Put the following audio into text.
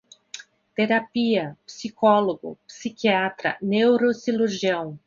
Terapia, psicólogo, psiquiatra, neurocirurgião